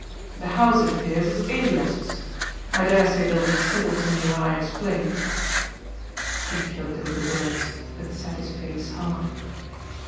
The house, it appears, is Elias's. I dare say they'll be civil to me when I explain." He choked over the words, but set his face hard.